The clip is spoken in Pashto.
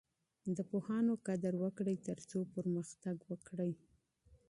د پوهانو قدر وکړئ ترڅو پرمختګ وکړئ.